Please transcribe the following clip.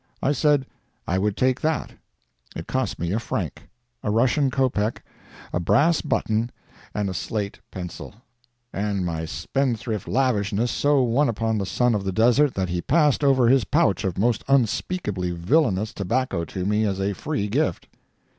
I said I would take that. It cost me a franc, a Russian kopek, a brass button, and a slate pencil; and my spendthrift lavishness so won upon the son of the desert that he passed over his pouch of most unspeakably villainous tobacco to me as a free gift.